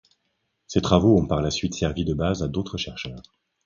Ces travaux ont par la suite servi de base à d'autres chercheurs.